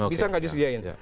bisa nggak disediain